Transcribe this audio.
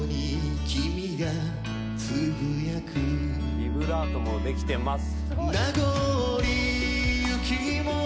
ビブラートもできてます。